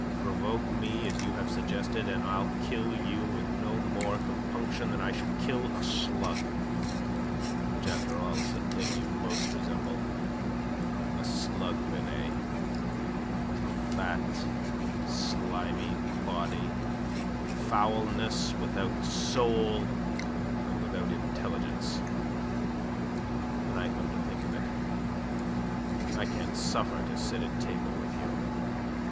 Provoke me as you have suggested, and I'll kill you with no more compunction than I should kill a slug, which after all is the thing you most resemble a slug, Binet; a fat, slimy body; foulness without soul and without intelligence. When I come to think of it I can't suffer to sit at table with you.